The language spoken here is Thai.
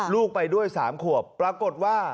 ลูกไปด้วย๓ขวบปรากฏว่า